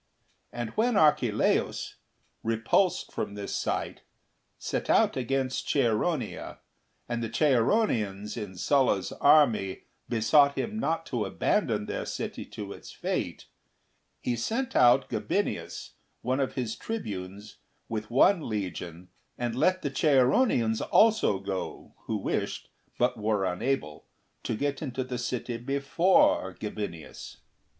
And when Archelaiis, repulsed from this site, set out against Chaeroneia, and the Chaeroneians in Sulla's army besought him not to abandon their city to its fate, he sent out Gabinius, one of his tribunes, with one legion, and let the Chaeroneians also go, who wished, but were unable, to get into the city before Gabinius.